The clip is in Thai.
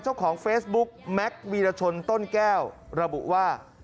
เจ้าของเฟซบุ๊กแม็กซ์วีรชนต้นแก้วระบุว่า